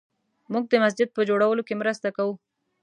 موږ د مسجد په جوړولو کې مرسته کوو